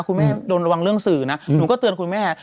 คุณแม่โดนระวังเรื่องสื่อนะหนูก็เตือนคุณแม่